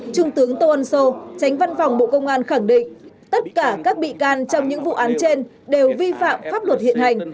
trung tướng tô ân sô tránh văn phòng bộ công an khẳng định tất cả các bị can trong những vụ án trên đều vi phạm pháp luật hiện hành